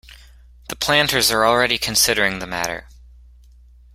The planters are already considering the matter.